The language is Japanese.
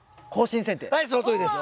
はいそのとおりです！